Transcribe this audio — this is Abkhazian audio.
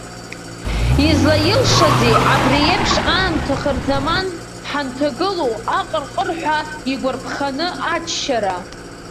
Излаилшазеи абри еиԥш аамҭа хырзаман ҳанҭагылоу аҟырҟырҳәа игәарԥханы аччара!